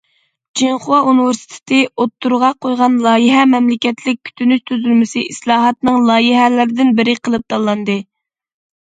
چىڭخۇا ئۇنىۋېرسىتېتى ئوتتۇرىغا قويغان لايىھە مەملىكەتلىك كۈتۈنۈش تۈزۈلمىسى ئىسلاھاتىنىڭ لايىھەلىرىدىن بىرى قىلىپ تاللاندى.